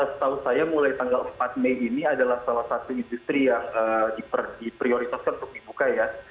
setahu saya mulai tanggal empat mei ini adalah salah satu industri yang diprioritaskan untuk dibuka ya